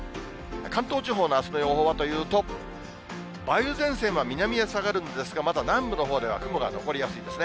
関東地方のあすの予報はというと、梅雨前線は南へ下がるんですが、まだ南部のほうでは雲が残りやすいですね。